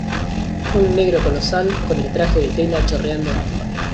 un negro colosal, con el traje de tela chorreando agua